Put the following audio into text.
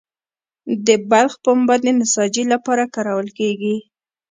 د بلخ پنبه د نساجي لپاره کارول کیږي